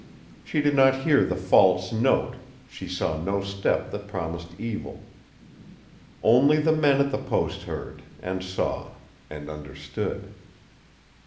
She did not hear the false note, she saw no step that promised evil. Only the men at the post heard, and saw, and understood.